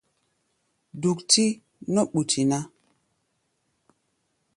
Duk-tí nɔ́ ɓuti ná.